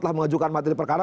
telah mengajukan materi perkara